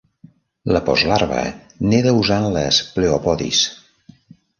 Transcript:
La postlarva neda usant les pleopodis.